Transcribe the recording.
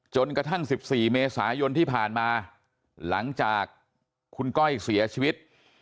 จนกระทั่ง๑๔เมษายนที่ผ่านมาหลังจากคุณก้อยเสียชีวิต